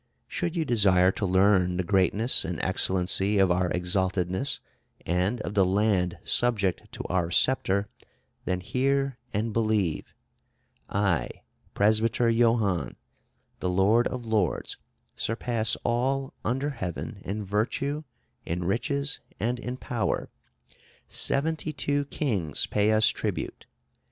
Should you desire to learn the greatness and excellency of our Exaltedness and of the land subject to our sceptre, then hear and believe: I, Presbyter Johannes, the Lord of Lords, surpass all under heaven in virtue, in riches, and in power; seventy two kings pay us tribute....